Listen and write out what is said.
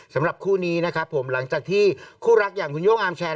สำหรับคู่นี้นะครับผมหลังจากที่คู่รักอย่างคุณโย่งอาร์มแชร์